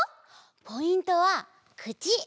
ポイントはくち！